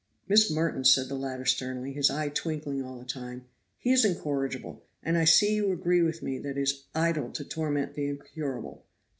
"Miss Merton," said the latter sternly, his eye twinkling all the time, "he is incorrigible; and I see you agree with me that it is idle to torment the incurable.